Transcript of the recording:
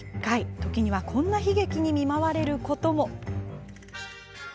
時にはこんな悲劇に見舞われることも。